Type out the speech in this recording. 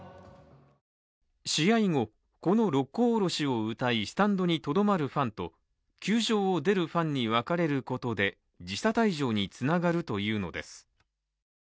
試合後、この「六甲おろし」を歌いスタンドにとどまるファンと球場を出るファンに分かれることで時差退場につながるというのです。